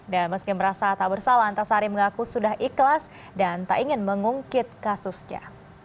dan meski merasa tak bersalah antasari mengaku sudah ikhlas dan tak ingin mengungkit kasusnya